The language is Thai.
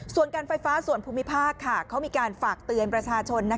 ส่วนการไฟฟ้าส่วนภูมิภาคเขามีการฝากเตือนประชาชน